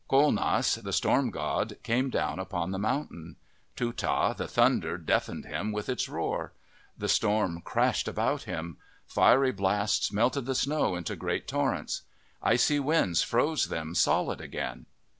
Colenass, the storm god, came down upon the mountain. Tootah, the thunder, deafened him with its roar. The storm crashed about him. Fiery blasts melted the snow into great torrents. Icy winds froze them solid again.